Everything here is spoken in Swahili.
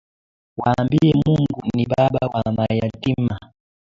Waambie Mungu ni baba wa mayatima.